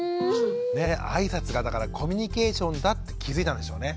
あいさつがコミュニケーションだって気付いたんでしょうね。